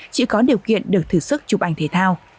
chị có điều kiện được thử sức chụp ảnh thể thao